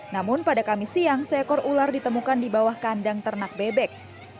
namun pada kamis siang seekor ular ditemukan di bawah kandang ternak bebek